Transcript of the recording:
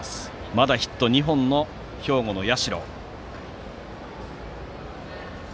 まだヒット２本の兵庫の社。